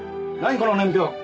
この年表。